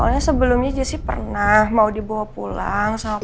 soalnya sebelumnya jessy pernah mau diberi peluang untuk mencari siapa yang dia suka dengan dia